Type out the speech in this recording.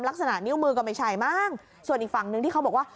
ลักษณะนิ้วมือก็ไม่ใช่มั้งส่วนอีกฝั่งนึงที่เขาบอกว่า